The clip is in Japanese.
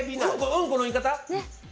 うんこの言い方。